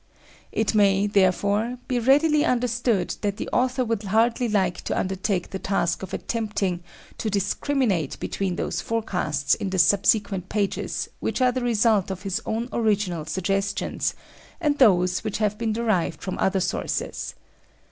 It may, therefore, be readily understood that the author would hardly like to undertake the task of attempting to discriminate between those forecasts in the subsequent pages which are the results of his own original suggestions, and those which have been derived from other sources.